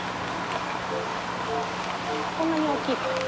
こんなに大きい。